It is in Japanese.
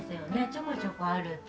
ちょこちょこあるんで。